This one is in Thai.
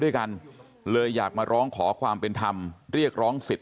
ด้วยกันเลยอยากมาร้องขอความเป็นธรรมเรียกร้องสิทธิ